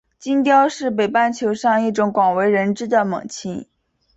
金雕是北半球上一种广为人知的猛禽。